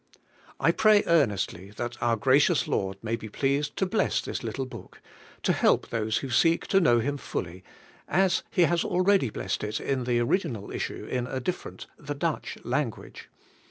I pray earnestly that our gracious Lord may be pleased to bless this little book, to help those who seek to know Him fully, as He has already blessed it in its original issue in a different (the Dutch) lan guage.